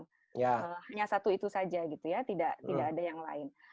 hanya satu itu saja gitu ya tidak ada yang lain